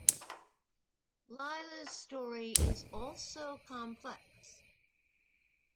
Leila's story is also complex.